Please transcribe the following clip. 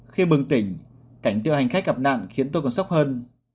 khi bừng tỉnh cảnh tượng hành khách gặp nạn khiến tôi còn sốc hơn